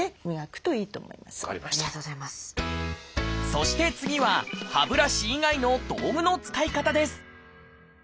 そして次は歯ブラシ以外の道具の使い方です